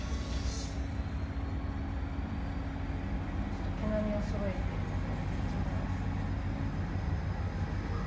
ちょっと毛なみをそろえておいていきます。